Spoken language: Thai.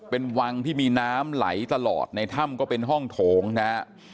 เป็นวังที่มีน้ำไหลตลอดในถ้ำก็เป็นห้องโถงนะฮะ